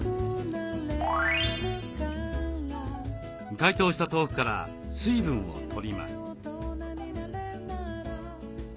解凍した豆腐から水分を取ります。